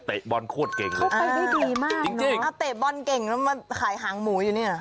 เตะบอลเก่งแล้วมาขายหางหมูอยู่เนี่ย